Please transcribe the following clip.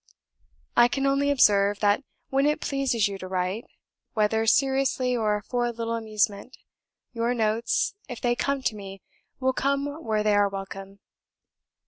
I can only observe that when it pleases you to write, whether seriously or for a little amusement, your notes, if they come to me, will come where they are welcome.